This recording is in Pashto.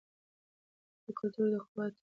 د کلتور د قوت د پراختیا لپاره هڅه کول.